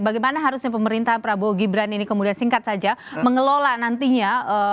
bagaimana harusnya pemerintahan prabowo gibran ini kemudian singkat saja mengelola nantinya